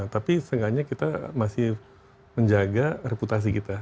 tapi setidaknya kita masih menjaga reputasi kita